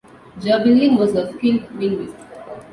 Gerbillion was a skilled linguist.